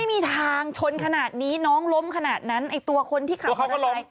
ไม่มีทางชนขนาดนี้น้องล้มขนาดนั้นไอ้ตัวคนที่ขับขนาดใส